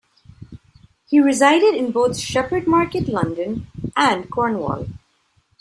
He resided in both Shepherd Market, London and Cornwall.